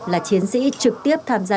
là chiến sĩ trực tiếp tham gia